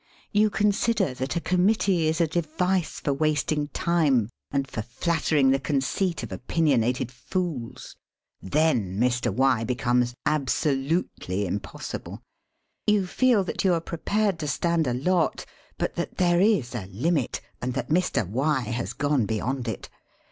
You consider that a Committee is a device for wasting time and for flattering the 34 SELF AND SELF MANAGEMENT | conceit of opinionated foola. ... Then Mr.' becomes abaolutelj impoasibte. You feel that you are prepared to stand a lot, but that there is a limit and that Mr. Y has gone beyond it.